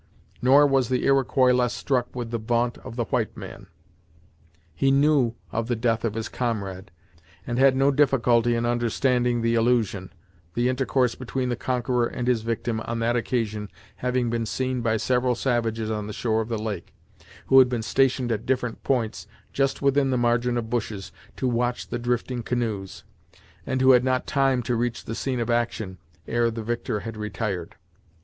Nor was the Iroquois less struck with the vaunt of the white man. He knew of the death of his comrade, and had no difficulty in understanding the allusion, the intercourse between the conqueror and his victim on that occasion having been seen by several savages on the shore of the lake, who had been stationed at different points just within the margin of bushes to watch the drifting canoes, and who had not time to reach the scene of action, ere the victor had retired.